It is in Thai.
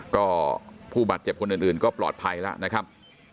ก็ผู้บาดเจ็บคนอื่นก็ปลอดภัยแล้วนะครับ